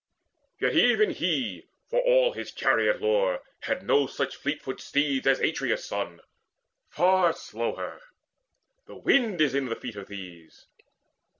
Yet even he, for all his chariot lore, Had no such fleetfoot steeds as Atreus' son Far slower! the wind is in the feet of these."